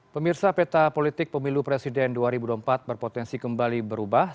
pemirsa peta politik pemilu presiden dua ribu dua puluh empat berpotensi kembali berubah